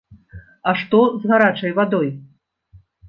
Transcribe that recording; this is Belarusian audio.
А што з гарачай вадой?